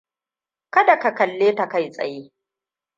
Kada ka kalle ta kai tsaye.